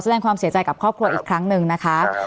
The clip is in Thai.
แสดงความเสียใจกับครอบครัวอีกครั้งหนึ่งนะคะ